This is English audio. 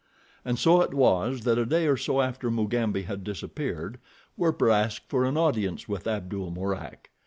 And so it was that a day or so after Mugambi had disappeared, Werper asked for an audience with Abdul Mourak.